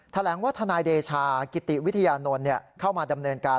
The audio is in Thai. แถลงว่าทนายเดชากิติวิทยานนท์เข้ามาดำเนินการ